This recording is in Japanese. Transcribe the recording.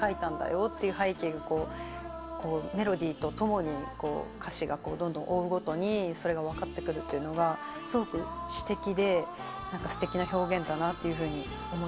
背景がメロディーとともに歌詞がどんどん追うごとにそれが分かってくるというのがすごく詩的ですてきな表現だなって思いましたね。